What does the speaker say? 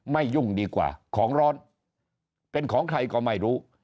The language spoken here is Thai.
ยุ่งดีกว่าของร้อนเป็นของใครก็ไม่รู้